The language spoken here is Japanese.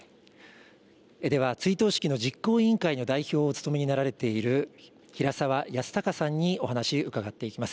では追悼式の実行委員会の代表をお務めになられている、平澤康隆さんにお話、伺っていきます。